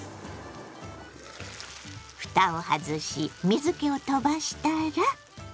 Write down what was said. ふたを外し水けを飛ばしたら。